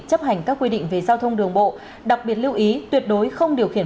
chấp hành các quy định về giao thông đường bộ đặc biệt lưu ý tuyệt đối không điều khiển